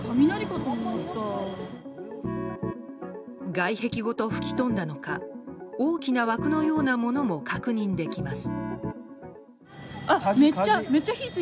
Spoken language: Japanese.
外壁ごと吹き飛んだのか大きな枠のようなものも確認できます。